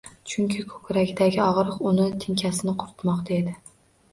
Chunki koʻkragidagi ogʻriq uning tinkasini quritmoqda edi.